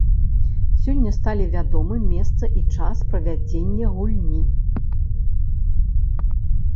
Сёння сталі вядомы месца і час правядзення гульні.